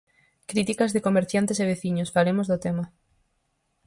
Críticas de comerciantes e veciños Falemos do tema.